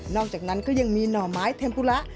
อกจากนั้นก็ยังมีหน่อไม้เทมปุระ